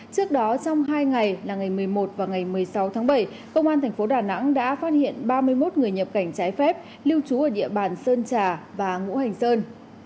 trước đó trong hai ngày là ngày một mươi một và ngày một mươi sáu tháng bảy công an tp đà nẵng đã phát hiện ba mươi một người nhập cảnh trái phép lưu trú ở địa bàn sơn trà và ngũ hành sơn